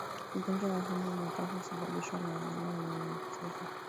Ugonjwa wa homa ya mapafu husababishwa na wanyama wenye maambukizi